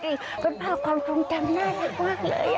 จริงเป็นภาพความภูมิจำนาจมากเลย